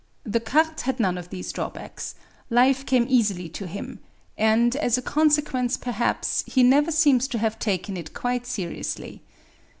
Descartes had none of these drawbacks; life came easily to him, and, as a consequence perhaps, he never seems to have taken it quite seriously.